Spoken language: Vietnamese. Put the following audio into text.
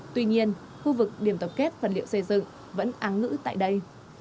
tuy nhiên khu vực điểm tập kết vật liệu xây dựng vẫn áng ngữ tại đây